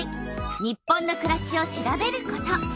「日本のくらし」を調べること。